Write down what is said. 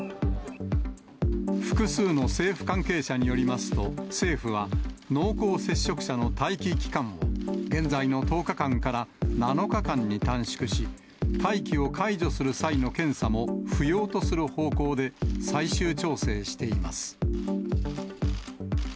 複数の政府関係者によりますと、政府は、濃厚接触者の待機期間を、現在の１０日間から７日間に短縮し、待機を解除する際の検査も不要とする方向で最終調整しています。